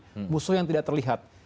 the unseen enemy musuh yang tidak terlihat